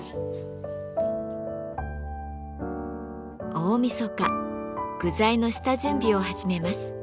大みそか具材の下準備を始めます。